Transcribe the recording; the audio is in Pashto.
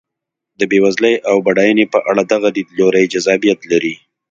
د بېوزلۍ او بډاینې په اړه دغه لیدلوری جذابیت لري.